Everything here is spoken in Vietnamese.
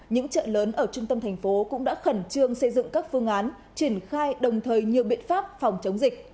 những chợ lớn ở trung tâm thành phố cũng đã khẩn trương xây dựng các phương án triển khai đồng thời nhiều biện pháp phòng chống dịch